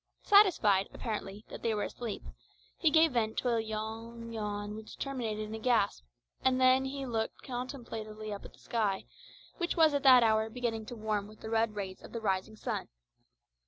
Satisfied, apparently, that they were asleep, he gave vent to a long yawn which terminated in a gasp, and then he looked up contemplatively at the sky, which was at that hour beginning to warm with the red rays of the rising sun.